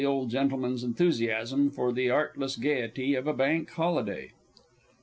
G.'S enthusiasm for the artless gaiety of a Bank Holiday.